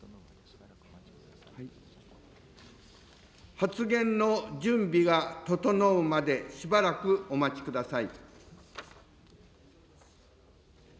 発言の準備が整うまで、しばらくお待ちください。